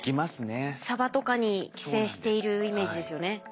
サバとかに寄生しているイメージですよね。